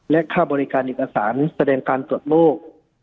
และค่าบริการเอกสารแสดงการตรวจโรค